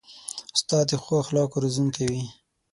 استاد د ښو اخلاقو روزونکی وي.